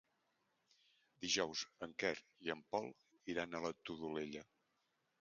Dijous en Quer i en Pol iran a la Todolella.